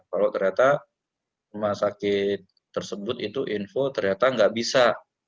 kalau ternyata rumah sakit tersebut itu info ternyata nggak bisa